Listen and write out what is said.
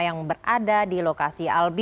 yang berada di lokasi albi